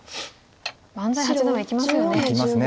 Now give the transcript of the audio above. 安斎八段はいきますよね。